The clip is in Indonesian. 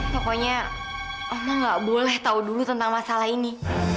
pokoknya allah gak boleh tahu dulu tentang masalah ini